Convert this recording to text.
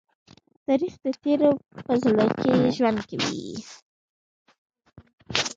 تاریخ د تېرو په زړه کې ژوند کوي.